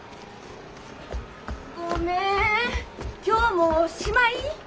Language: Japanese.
今日もうしまい？